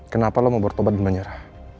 kenapa lo mau bortobat di penjara